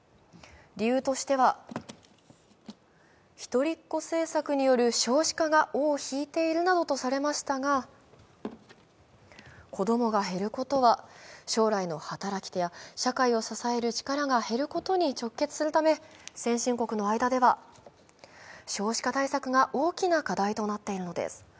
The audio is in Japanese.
理由としては、一人っ子政策による少子化が尾を引いているなどとされましたが、子供が減ることは将来の働き手や社会を支える力が減ることに直結するため先進国の間では、少子化対策が大きな課題となっているのです。